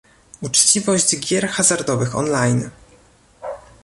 Uczciwość gier hazardowych on-line